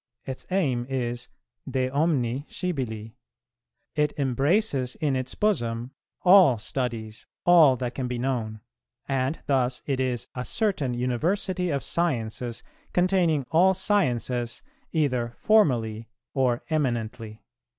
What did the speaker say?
Its aim is de omni scibili; it embraces in its bosom all studies, all that can be known: and thus it is a certain university of sciences containing all sciences either 'formally' or 'eminently.'"